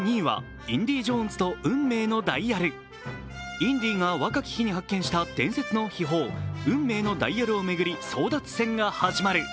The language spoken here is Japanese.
インディが若き日に発見した伝説の秘宝、運命のダイヤルを巡り争奪戦が始まる。